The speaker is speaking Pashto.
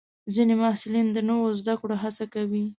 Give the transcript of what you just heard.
ځینې محصلین د نوو زده کړو هڅه کوي.